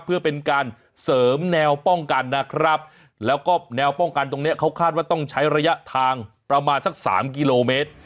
เพื่อเป็นการเสริมแนวป้องกันนะครับแล้วก็แนวป้องกันตรงเนี้ยเขาคาดว่าต้องใช้ระยะทางประมาณสักสามกิโลเมตร